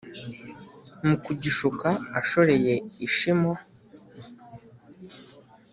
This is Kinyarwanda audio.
Mu kugishuka ashoreye ishimo.